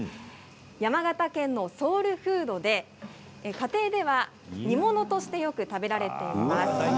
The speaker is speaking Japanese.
山形県のソウルフードで家庭では煮物としてよく食べられています。